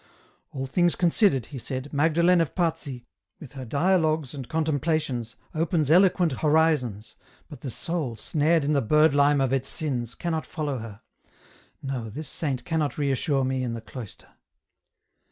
" All things considered," he said ;" Magdalen of Pazzi, with her dialogues and contemplations, opens eloquent horizons, but the soul, snared in the bird lime of its sins, cannot follow her. No ; this saint cannot reassure me in the cloister.